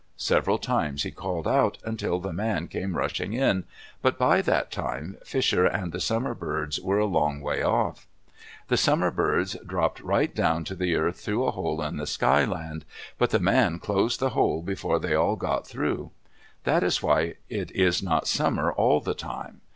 Several times he called out until the man came rushing in, but by that time Fisher and the Summer Birds were a long way off. The Summer Birds dropped right down to the earth through a hole in the Sky Land, but the man closed the hole before they all got through. That is why it is not summer all the time.